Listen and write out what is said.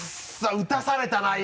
打たされたな今。